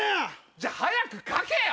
じゃあ早く書けよ！